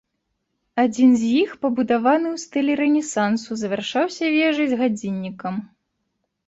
Адзін з іх пабудаваны ў стылі рэнесансу, завяршаўся вежай з гадзіннікам.